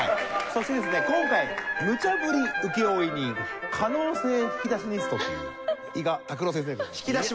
そしてですね今回むちゃぶり請負人可能性引き出しニストという伊賀拓郎先生でございます。